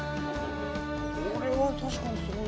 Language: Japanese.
これは確かにすごい。